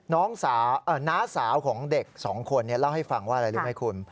น้าสาวของเด็กสองคนเล่าให้ฟังว่าอะไรรู้ไหมคุณ